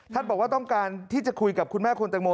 บอกว่าต้องการที่จะคุยกับคุณแม่คุณแตงโม